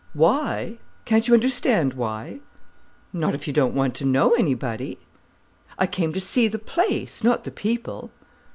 "'Why?' Can't you understand why?" "Not if you don't want to know anybody." "I came to see the place, not the people."